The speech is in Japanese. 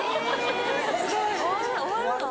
・すごい・・終わるの？